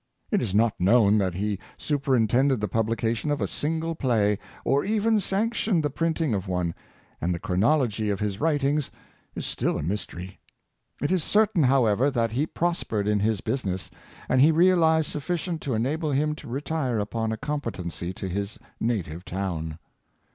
It is not known that he superin tended the publication of a single play, or even sanc tioned the printing of one; and the chronology of his writings is still a mystery. It is certain, however, that he prospered in his business, and realized sufficient to enable him to retire upon a competency to his native town.